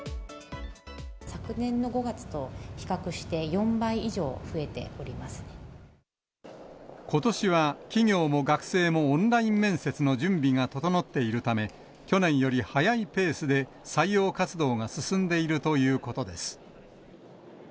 昨年の５月と比較して４倍以ことしは、企業も学生もオンライン面接の準備が整っているため、去年より速いペースで採用活動が進んでいるということです。